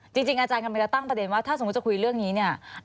จริงอาจารย์กำลังจะตั้งประเด็นว่าถ้าสมมุติจะคุยเรื่องนี้เนี่ย